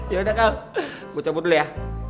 yaudah kal gue cabut dulu ya